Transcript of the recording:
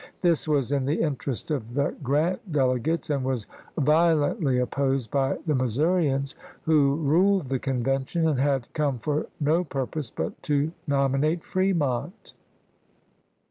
This was in the interest of the Grant delegates and was violently opposed by the Missourians, who ruled the Convention, and had come for no purpose but to nominate Fremont.